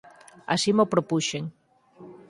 Así mo propuxen".